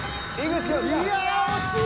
いやぁ惜しい！